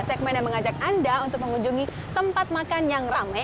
segmen yang mengajak anda untuk mengunjungi tempat makan yang rame